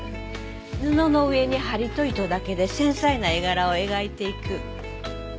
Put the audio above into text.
布の上に針と糸だけで繊細な絵柄を描いていく。